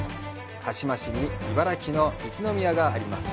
鹿嶋市に、茨城の一宮があります。